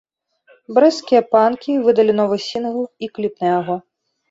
Брэсцкія панкі выдалі новы сінгл і кліп на яго.